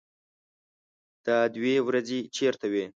_دا دوې ورځې چېرته وې؟